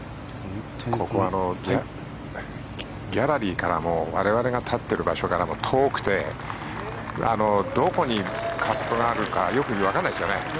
ギャラリーからも我々が立ってる場所からも遠くてどこにカップがあるかよくわからないですよね。